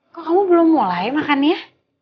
kok kamu belum mulai makan ya